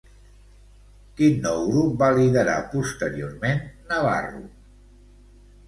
Quin nou grup va liderar posteriorment Navarro?